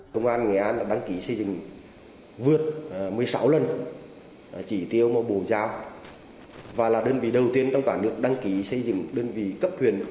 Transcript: công an nghệ an đã đăng ký xây dựng vượt một mươi sáu lần chỉ tiêu mà bộ giao và là đơn vị đầu tiên trong cả nước đăng ký xây dựng đơn vị cấp huyện